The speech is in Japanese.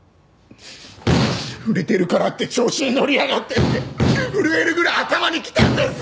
売れてるからって調子にのりやがってって震えるぐらい頭にきたんです！